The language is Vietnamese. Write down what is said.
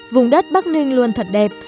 vùng đất bắc ninh luôn thật đẹp